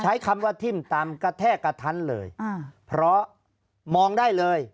ใช้คำว่าทิ่มตำกระแทกกระทันเลยอ่าเพราะมองได้เลย